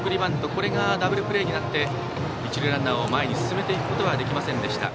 これがダブルプレーになって一塁ランナーを前に進めることはできませんでした。